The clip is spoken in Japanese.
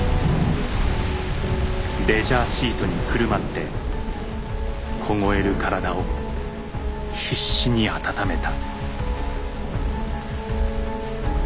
レジャーシートにくるまって凍える体を必死に温めた。